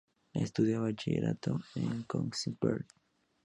Estudia bachillerato en Königsberg.